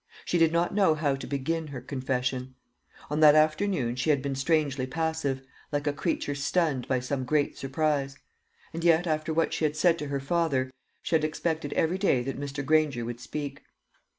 She did not know how to begin her confession. On that afternoon she had been strangely passive, like a creature stunned by some great surprise; and yet, after what she had said to her father, she had expected every day that Mr. Granger would speak.